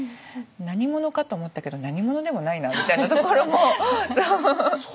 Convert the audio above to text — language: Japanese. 何者かと思ったけど何者でもないなみたいなところもありますし。